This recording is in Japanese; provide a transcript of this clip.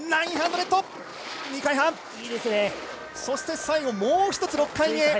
そして、最後もう１つ６回目。